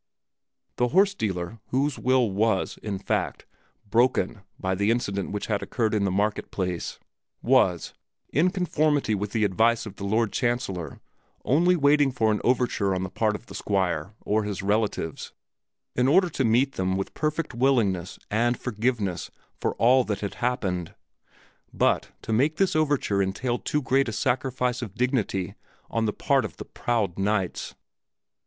The horse dealer, whose will was, in fact, broken by the incident which had occurred in the market place, was, in conformity with the advice of the Lord Chancellor, only waiting for an overture on the part of the Squire or his relatives in order to meet them half way with perfect willingness and forgiveness for all that had happened; but to make this overture entailed too great a sacrifice of dignity on the part of the proud knights.